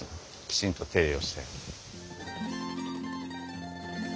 きちんと手入れをして。